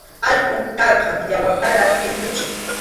Alqum karqan, yawartaraq tʼimpuchiq.